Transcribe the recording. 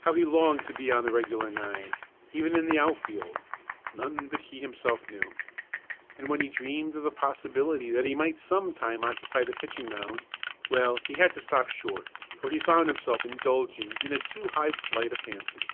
How he longed to be on the regular nine, even in the outfield, none but himself knew. And when he dreamed of the possibility that he might some time occupy the pitching mound well, he had to stop short, for he found himself indulging in a too high flight of fancy.